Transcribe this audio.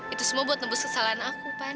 itu semua buat nembus kesalahan aku pak